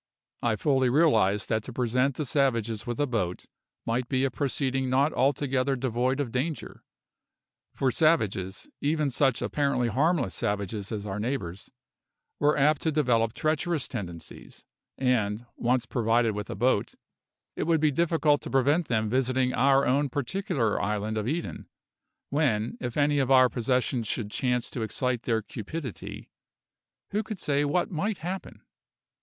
I fully realised that to present the savages with a boat might be a proceeding not altogether devoid of danger; for savages even such apparently harmless savages as our neighbours were apt to develop treacherous tendencies, and, once provided with a boat, it would be difficult to prevent them visiting our own particular island of Eden, when, if any of our possessions should chance to excite their cupidity, who could say what might happen?